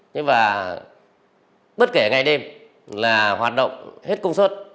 nhưng mà bất kể ngày đêm là hoạt động hết công suất